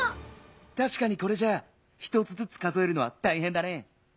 たしかにこれじゃあ１つずつ数えるのはたいへんだね。